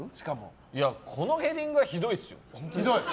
いや、このヘディングはひどいですよ。